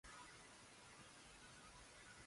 saikotomimetri ya dawa ya kulevya